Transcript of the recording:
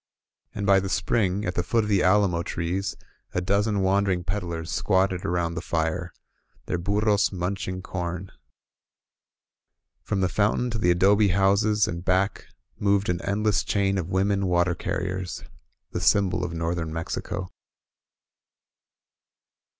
And by the spring, at the foot of the alamo trees, a dozen wandering peddlers squatted around their fire, their burros munching com. From the foun tain to the adobe houses and back moved an endless chain of women water carriers, — the symbol of north ern Mexico.